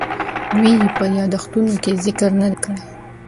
دوی یې په یادښتونو کې ذکر نه دی کړی.